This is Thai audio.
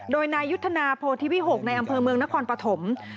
โดยนายยุทธนาโพธิวิหกในอำเภอเมืองนครปฐม